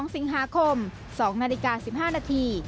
๒สิงหาคม๒นาฬิกา๑๕นาที